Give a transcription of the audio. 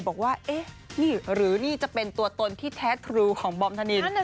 บอกว่าเอ๊ะนี่หรือนี่จะเป็นตัวตนที่แท้ทรูของบอมธนิน